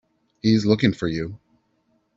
He's looking for you.